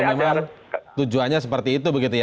memang tujuannya seperti itu begitu ya